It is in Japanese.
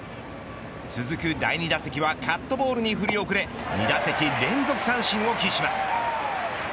続く第２打席はカットボールに振り遅れ２打席連続三振を喫します。